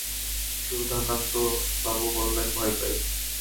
সুধাকান্তবাবু বললেন, ভয় পাই।